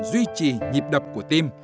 duy trì nhịp đập của tim